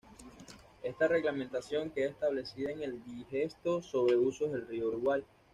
Esta reglamentación queda establecida en el Digesto sobre usos del Río Uruguay.